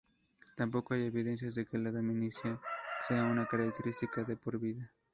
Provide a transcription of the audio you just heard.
Tampoco hay evidencias de que la dominancia sea una característica de por vida.